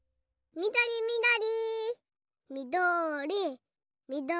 みどりみどり。